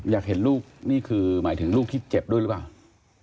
อยากเห็นลูกนี่คือหมายถึงลูกที่เจ็บด้วยหรือเปล่า